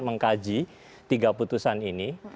mengkaji tiga putusan ini